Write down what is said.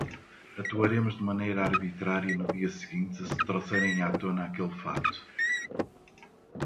Atuaremos de maneira arbitrária no dia seguinte se trouxerem à tona aquele fato